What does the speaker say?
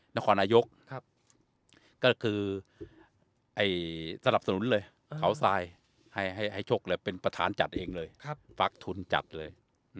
นครนายกก็คือสนับสนุนเลยเขาทรายให้ชกเลยเป็นประธานจัดเองเลยฟักทุนจัดเลย